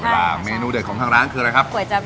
ครับใช่ใช่ครับใช่ครับใช่ค่ะเมนูเด็ดของข้างล้างคืออะไรครับ